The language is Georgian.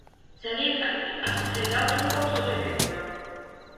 ძალიან კარგი. ახლა ხედავთ, რომ გვაქვს ოთხი ფიგურა.